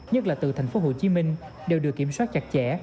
nhất là từ thành phố hồ chí minh đều được kiểm soát chặt chẽ